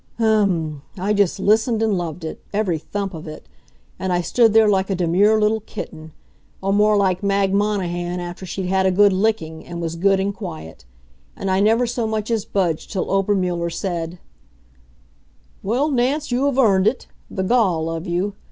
Um! I just listened and loved it every thump of it. And I stood there like a demure little kitten; or more like Mag Monahan after she'd had a good licking, and was good and quiet. And I never so much as budged till Obermuller said: "Well, Nance, you have earned it. The gall of you!